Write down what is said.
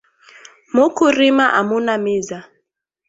Muku rima amuna miza